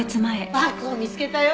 バクを見つけたよ。